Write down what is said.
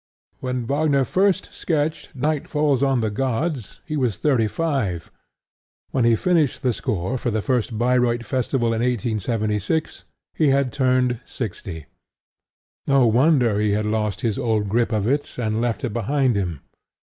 When Wagner first sketched Night Falls On The Gods he was 35. When he finished the score for the first Bayreuth festival in 1876 he had turned 60. No wonder he had lost his old grip of it and left it behind him.